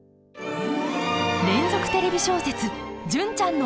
連続テレビ小説「純ちゃんの応援歌」